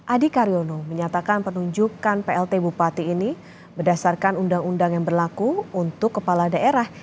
adi karyono menyatakan penunjukan plt bupati ini berdasarkan undang undang yang berlaku untuk kepala daerah